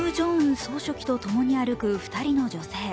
総書記とともに歩く２人の女性。